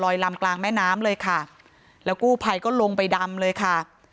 ลำกลางแม่น้ำเลยค่ะแล้วกู้ภัยก็ลงไปดำเลยค่ะ